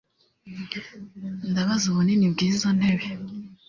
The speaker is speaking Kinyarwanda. Ndabaza ubunini bw’izo ntebe